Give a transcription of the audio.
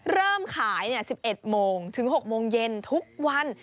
เริ่มขาย๑๑โมงถึง๖โมงเย็นทุกวัน